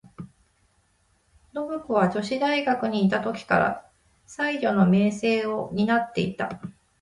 信子は女子大学にゐた時から、才媛の名声を担ってゐた。